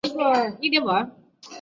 来宾市象州县政府网站